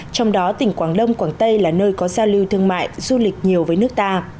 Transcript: trong đó tỉnh quảng đông quảng tây là nơi có giao lưu thương mại du lịch nhiều với nước ta